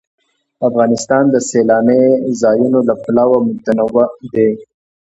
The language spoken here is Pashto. افغانستان د سیلانی ځایونه له پلوه متنوع دی.